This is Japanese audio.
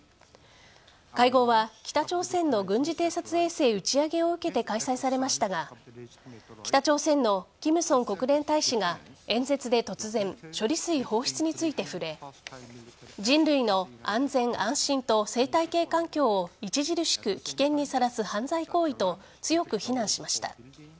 会合は、北朝鮮の軍事偵察衛星打ち上げを受けて開催されましたが北朝鮮のキム・ソン国連大使が演説で突然処理水放出について触れ人類の安全・安心と生態系環境を著しく危険にさらす犯罪行為と強く非難しました。